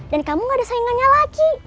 dan kamu nggak ada saingannya lagi